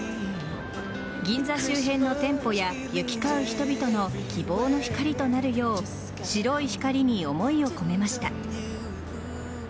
銀座周辺の店舗や行き交う人々の希望の光となるよう白い光に思いを込めました。